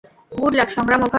Good luck Sangram, over!